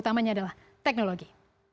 utamanya adalah teknologi